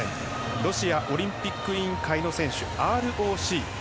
ロシアオリンピック委員会の選手ＲＯＣ。